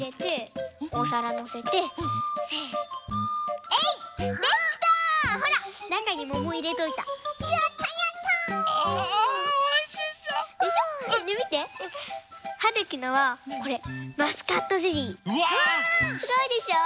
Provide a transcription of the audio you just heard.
すごいでしょう？